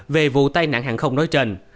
về vụ tai nạn hàng không nói trên